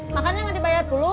makanya gak dibayar dulu